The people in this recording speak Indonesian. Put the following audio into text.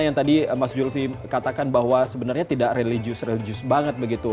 yang tadi mas julvi katakan bahwa sebenarnya tidak religius religius banget begitu